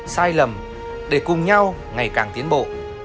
sai lầm để cùng nhau ngày càng tiến bộ